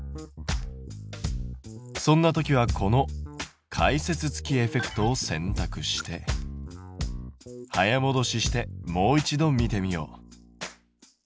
そんな時はこの解説付きエフェクトを選択して早もどししてもう一度見てみよう。